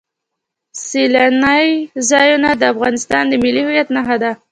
سیلانی ځایونه د افغانستان د ملي هویت نښه ده.